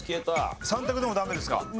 ３択でもダメですか？